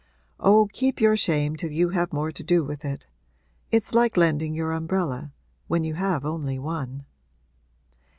'Oh, keep your shame till you have more to do with it. It's like lending your umbrella when you have only one.'